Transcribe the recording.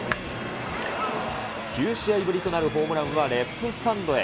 ９試合ぶりとなるホームランはレフトスタンドへ。